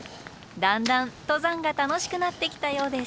だんだん登山が楽しくなってきたようです。